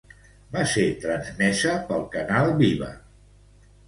Va ser transmesa pel canal Viva.